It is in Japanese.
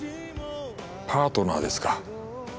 パートナーですか。